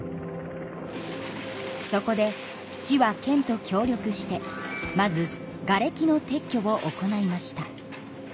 そこで市は県と協力してまずがれきの撤去を行いました。